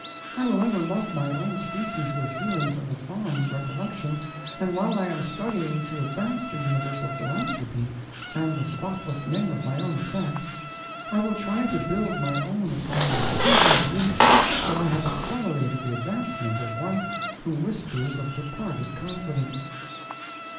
I will ever love my own species with feelings of a fond recollection, and while I am studying to advance the universal philanthropy, and the spotless name of my own sex, I will try to build my own upon the pleasing belief that I have accelerated the advancement of one who whispers of departed confidence.